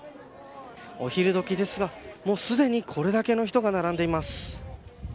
お昼どきですがすでにこれだけの人が並んでいます。